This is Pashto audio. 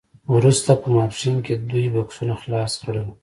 وروسته په ماسپښین کې دوی بکسونه خلاص کړل